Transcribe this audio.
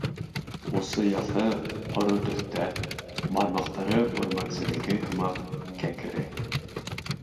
Усы яҫы, һоро төҫтә, бармаҡтары үрмәксенеке һымаҡ кәкре.